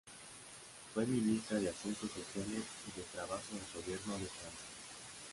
Fue ministra de Asuntos Sociales y de Trabajo del gobierno de Francia.